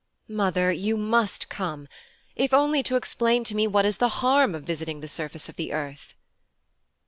'Mother, you must come, if only to explain to me what is the harm of visiting the surface of the earth.'